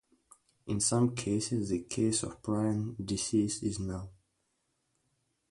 In some cases, the cause of prion diseases is known.